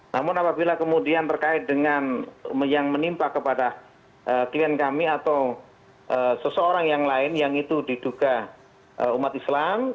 namun apabila kemudian terkait dengan yang menimpa kepada klien kami atau seseorang yang lain yang itu diduga umat islam